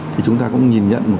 thì chúng ta cũng nhìn nhận